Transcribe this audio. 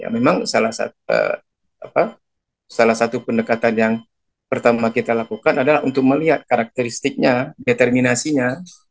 memang salah satu pendekatan yang pertama kita lakukan adalah untuk melihat karakteristiknya determinasinya